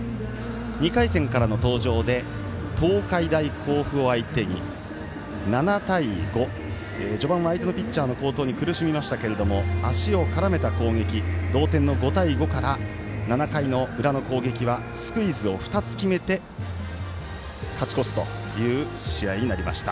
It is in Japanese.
２回戦からの登場で東海大甲府を相手に７対５、序盤は相手のピッチャーの好投に苦しみましたけれども足を絡めた攻撃同点の５対５から７回の裏の攻撃はスクイズを２つ決めて勝ち越すという試合になりました。